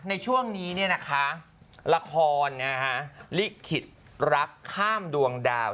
ในช่วงนี้เนี่ยนะคะละครลิขิตรักข้ามดวงดาว